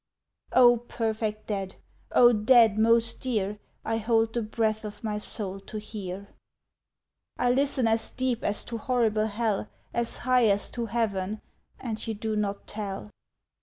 "O perfect dead! O dead most dear, I hold the breath of my soul to hear! "I listen as deep as to horrible hell, As high as to heaven, and you do not tell.